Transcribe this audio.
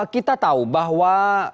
kita tahu bahwa